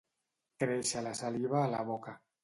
Créixer la saliva a la boca.